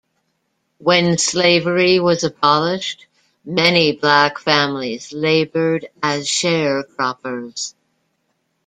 When slavery was abolished, many black families labored as sharecroppers.